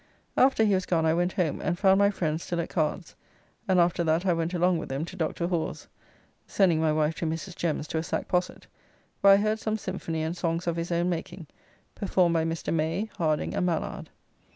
After he was gone I went home, and found my friends still at cards, and after that I went along with them to Dr. Whores (sending my wife to Mrs. Jem's to a sack posset), where I heard some symphony and songs of his own making, performed by Mr. May, Harding, and Mallard.